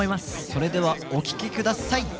それではお聴き下さい。